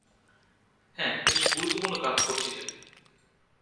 হ্যাঁ, বেশ গুরুত্বপূর্ণ কাজ করছিলে!